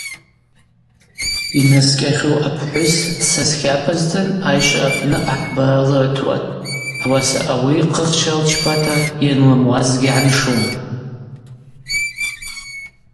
Йнаскӏьахьу апхӏвыс дсас тлапӏазтын айшва апны ахӏбара лыртуан, ауаса ауи хъыхчара лчпата йанлымуазгьи гӏаншун.